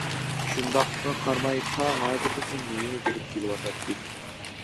شۇنداقلىقىغا قارىماي تا ھازىرغىچە مېۋە بېرىپ كېلىۋاتاتتى.